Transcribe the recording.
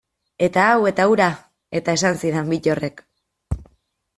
Eta hau eta hura, eta esan zidan Bittorrek.